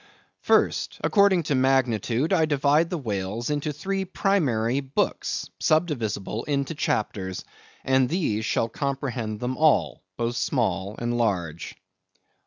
First: According to magnitude I divide the whales into three primary BOOKS (subdivisible into CHAPTERS), and these shall comprehend them all, both small and large.